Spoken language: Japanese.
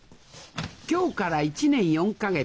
今日から１年４か月